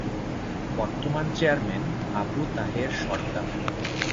বর্তমান চেয়ারম্যান- আবু তাহের সরদার